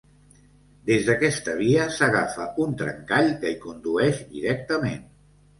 Des d'aquesta via s'agafa un trencall que hi condueix directament.